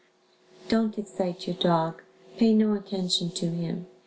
Don't excite your dog, pay no attention to him.